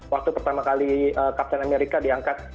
waktu pertama kali captain america diangkat